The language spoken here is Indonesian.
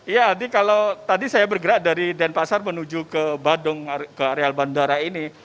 ya aldi kalau tadi saya bergerak dari denpasar menuju ke badung ke areal bandara ini